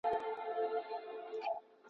تراوسه داسې خبره هیچا نه وه کړې.